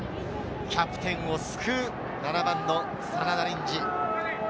キャプテンをすくう７番の真田蓮司。